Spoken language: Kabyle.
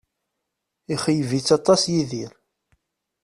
Ixeyyeb-itt aṭas Yidir